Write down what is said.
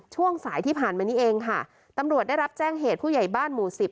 ช่วงสายที่ผ่านมานี้เองค่ะตำรวจได้รับแจ้งเหตุผู้ใหญ่บ้านหมู่สิบ